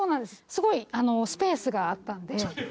すごいスペースがあったんで。